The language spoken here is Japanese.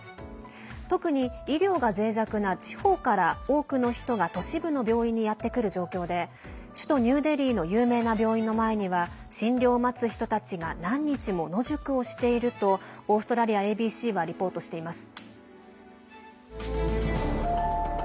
特に医療が、ぜい弱な地方から多くの人が都市部の病院にやってくる状況で首都ニューデリーの有名な病院の前には診療を待つ人たちが何日も野宿をしているとオーストラリアＡＢＣはリポートしています。